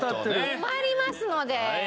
困りますので。